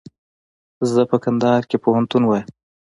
زه په کندهار کښي پوهنتون وایم.